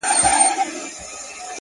• په زګېروي لېوه ورږغ کړله چي وروره,